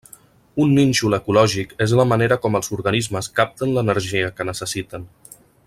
Un nínxol ecològic és la manera com els organismes capten l'energia que necessiten.